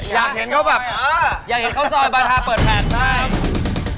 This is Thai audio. อยากเห็นเขาแบบอยากเห็นข้าวซอยบาธาเปิดแผนบ้าง